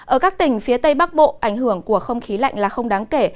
ở các tỉnh phía tây bắc bộ ảnh hưởng của không khí lạnh là không đáng kể